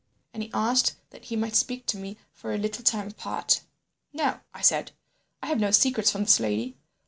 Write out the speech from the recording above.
And he asked that he might speak to me for a little time apart. "'No,' I said. 'I have no secrets from this lady.